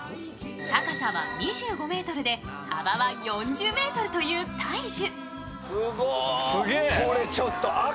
高さは２５ｍで、幅は４０ｍという大樹。